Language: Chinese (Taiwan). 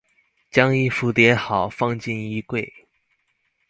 將衣服摺好放進衣櫃